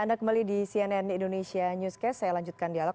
anda kembali di cnn indonesia newscast saya lanjutkan dialog